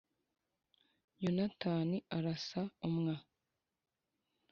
Yonatani arasa umwa